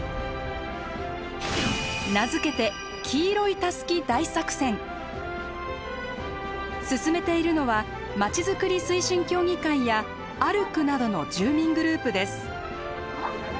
名付けて進めているのはまちづくり推進協議会や「あるく」などの住民グループです。